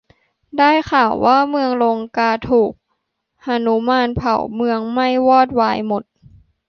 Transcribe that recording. ได้ข่าวว่าเมืองลงกาถูกหนุมานเผาเมืองไหม้วอดวายหมด